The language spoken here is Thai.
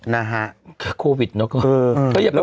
นะคะ